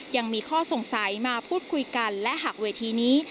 ยังมีข้อสงสัยมาพูดคุยกันและหากเวทีนี้